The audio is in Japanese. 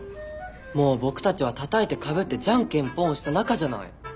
もうボクたちは「たたいてかぶってじゃんけんぽん」をした仲じゃない！